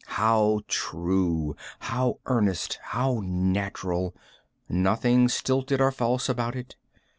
How true, how earnest, how natural! Nothing stilted or false about it.